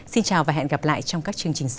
xin chào và hẹn gặp lại trong các chương trình sau